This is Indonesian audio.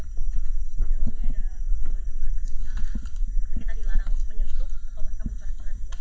kita dilarang menyentuh atau bahkan mencorceran